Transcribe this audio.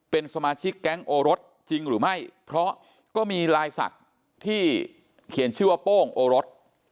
เป็นสมาชิกแก๊งโอรสจริงหรือไม่เพราะก็มีลายศักดิ์ที่เขียนชื่อว่าโป้งโอรส